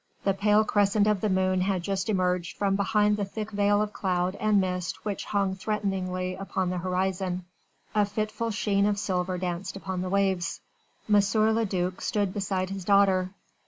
The pale crescent of the moon had just emerged from behind the thick veil of cloud and mist which still hung threateningly upon the horizon: a fitful sheen of silver danced upon the waves. M. le duc stood beside his daughter.